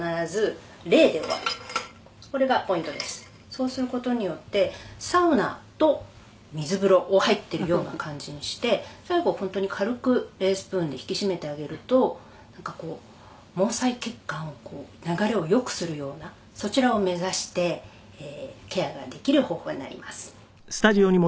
「そうする事によってサウナと水風呂を入っているような感じにして最後本当に軽く冷スプーンで引き締めてあげるとなんかこう毛細血管を流れをよくするようなそちらを目指してケアができる方法になります」